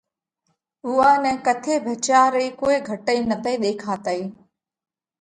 اُوئا نئہ ڪٿي ڀچيا رئي ڪوئي گھٽئِي نتئِي ۮيکاتئِي۔